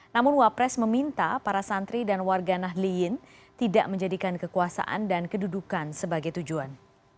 namun wapres meminta para santri dan warga nahliyin tidak menjadikan kekuasaan dan kedudukan sebagai tujuan